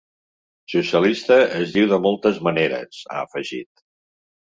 Socialista es diu de moltes maneres, ha afegit.